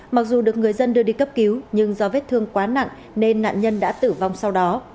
mặc dù được người dân đưa đi cấp cứu nhưng do vết thương quá nặng nên nạn nhân đã tử vong sau đó